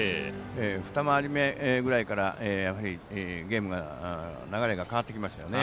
２回り目ぐらいから、ゲームが流れが変わってきましたよね。